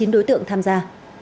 một mươi chín đối tượng tham gia